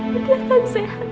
putih akan sehat